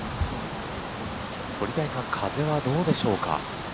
鳥谷さん風はどうでしょうか？